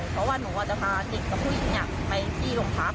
เพราะว่าหนูจะพาเด็กกับผู้หญิงไปที่โรงพัก